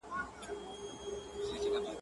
مامې په سکروټو کې خیالونه ورلېږلي وه.